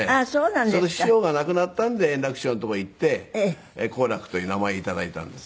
その師匠が亡くなったんで圓楽師匠の所行って好楽という名前を頂いたんです。